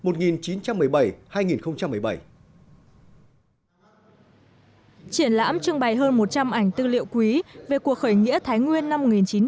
triển lãm trưng bày hơn một trăm linh ảnh tư liệu quý về cuộc khởi nghĩa thái nguyên năm một nghìn chín trăm bảy mươi năm